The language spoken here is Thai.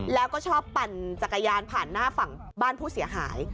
แล้วก็ชอบปั่นจักรยานผ่านหน้าฝั่งบ้านผู้เสียหาย